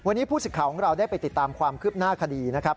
วันนี้ผู้สิทธิ์ของเราได้ไปติดตามความคืบหน้าคดีนะครับ